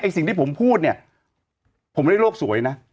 สิ่งที่ผมพูดเนี่ยผมไม่ได้โลกสวยนะ